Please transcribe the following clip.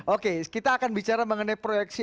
oke kita akan bicara mengenai proyeksi